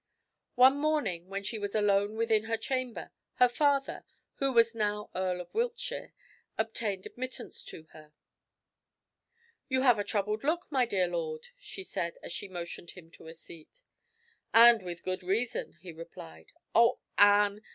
One morning, when she was alone within her chamber, her father, who was now Earl of Wiltshire, obtained admittance to her. "You have a troubled look, my dear lord," she said, as she motioned him to a seat. "And with good reason," he replied. "Oh, Anne!